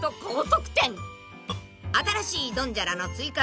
［新しいドンジャラの追加